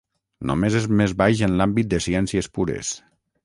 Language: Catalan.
Només és més baix en l'àmbit de ciències pures.